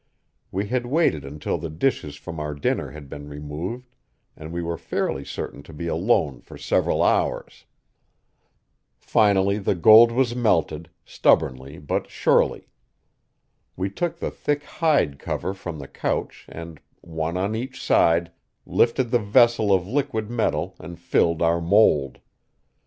We had waited until the dishes from our dinner had been removed, and we were fairly certain to be alone for several hours. Finally the gold was melted, stubbornly but surely. We took the thick hide cover from the couch and, one on each side, lifted the vessel of liquid metal and filled our mold.